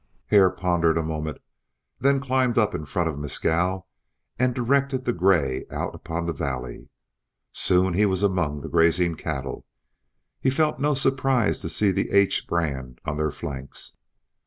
He pondered a moment, then climbed up in front of Mescal, and directed the gray out upon the valley. Soon he was among the grazing cattle. He felt no surprise to see the H brand on their flanks.